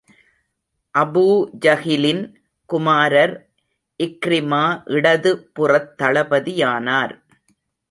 அபூஜஹிலின் குமாரர், இக்ரிமா இடது புறத் தளபதியானார்.